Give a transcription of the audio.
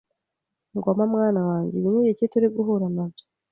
Ngoma mwana wanjye ibi ni ibiki turiguhura nabyo